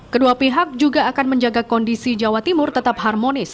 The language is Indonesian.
kedua pihak juga akan menjaga kondisi jawa timur tetap harmonis